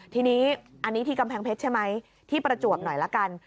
ทีนี้อันนี้ที่กำแพงเพชรใช่ไหมที่ประจวบหน่อยละกัน